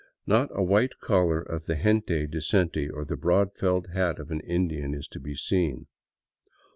Not a white collar of the gente decente or the broad felt hat of an Indian is to be seen.